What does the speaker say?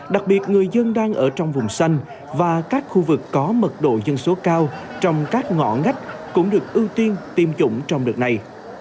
đặc biệt người dân đang ở trong vùng xanh và các khu vực có mật độ dân số cao trong các ngõ ngách cũng được ưu tiên tiêm chủng trong đợt này